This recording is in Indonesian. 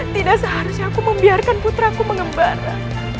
tidak seharusnya aku membiarkan putraku mengembara